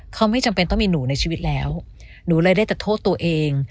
เขาไม่จำเป็นต้องมีหนูในชีวิตแล้วหนูเลยได้แต่โทษตัวเอง